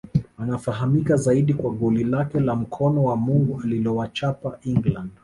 Anafahamika zaidi kwa goli lake la mkono wa Mungu alilowachapa England